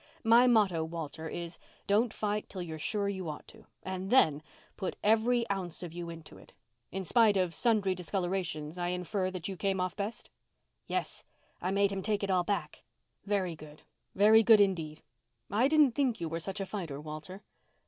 My motto, Walter, is, don't fight till you're sure you ought to, and then put every ounce of you into it. In spite of sundry discolorations I infer that you came off best." "Yes. I made him take it all back." "Very good—very good, indeed. I didn't think you were such a fighter, Walter."